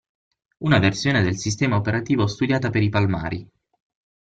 Una versione del sistema operativo studiata per i palmari.